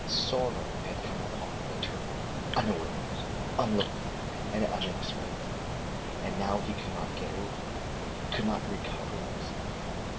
Sorrow had come upon the turner unawares, unlooked for, and unexpected, and now he could not get over it, could not recover himself.